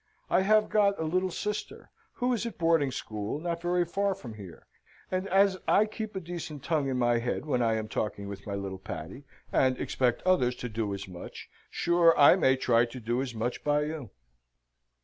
I have got a little sister, who is at boarding school, not very far from here, and, as I keep a decent tongue in my head when I am talking with my little Patty, and expect others to do as much, sure I may try and do as much by you."